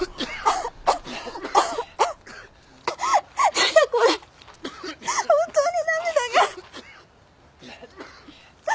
嫌だこれ本当に涙が。